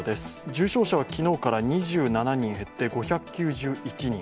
重症者は昨日から２７人減って５９１人